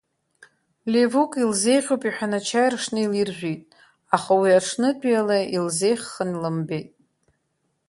Ливук илзеиӷьуп иҳәан ачаи ршны илиржәит, аха уи аҽнытәиала илзеӷьханы лымбеит.